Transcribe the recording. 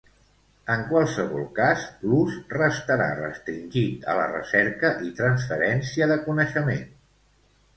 En qualsevol cas, l'ús restarà restringit a la recerca i transferència de coneixement.